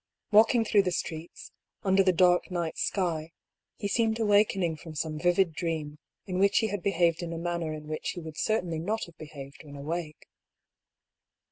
Walking through the streets, under the dark night sky, he seemed awakening from some vivid dream, in which he had behaved in a manner in which he would certainly not have behaved when awake.